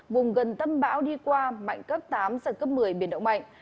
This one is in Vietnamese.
vùng gần tâm bão đi qua mạnh cấp tám giật cấp một mươi biển động mạnh